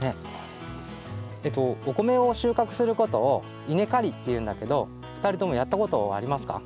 お米をしゅうかくすることをいねかりっていうんだけどふたりともやったことありますか？